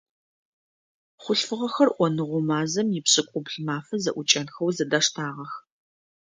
Хъулъфыгъэхэр Ӏоныгъо мазэм ипшӏыкӏубл мафэ зэӏукӏэнхэу зэдаштагъэх.